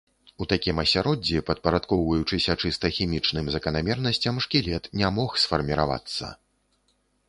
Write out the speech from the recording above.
У такім асяроддзі, падпарадкоўваючыся чыста хімічным заканамернасцям, шкілет не мог сфарміравацца.